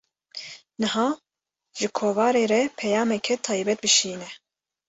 Niha, ji kovarê re peyameke taybet bişîne